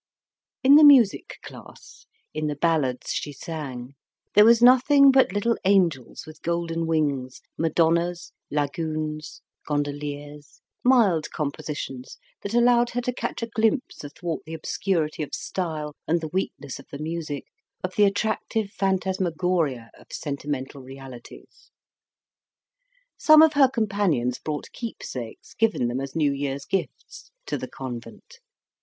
In the music class, in the ballads she sang, there was nothing but little angels with golden wings, madonnas, lagunes, gondoliers; mild compositions that allowed her to catch a glimpse athwart the obscurity of style and the weakness of the music of the attractive phantasmagoria of sentimental realities. Some of her companions brought "keepsakes" given them as new year's gifts to the convent.